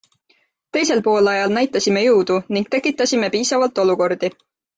Teisel poolajal näitasime jõudu ning tekitasime piisavalt olukordi.